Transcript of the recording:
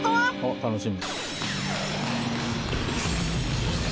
楽しみ。